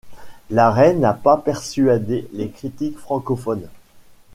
L'arrêt n'a pas persuadé les critiques francophones.